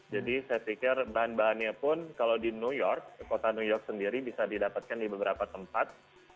jadi saya pikir bahan bahannya pun kalau di new york kota new york sendiri bisa didapatkan di beberapa tempat